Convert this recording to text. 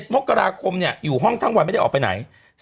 มกราคมอยู่ห้องทั้งวันไม่ได้ออกไปไหน